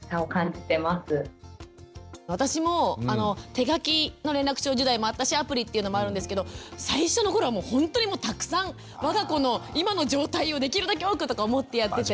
私も手書きの連絡帳時代もあったしアプリっていうのもあるんですけど最初の頃はもうほんとにたくさん我が子の今の状態をできるだけ多くとか思ってやってて。